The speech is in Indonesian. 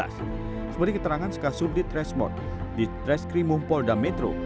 seperti keterangan sekasur di tresmur di treskrimumpol dan metro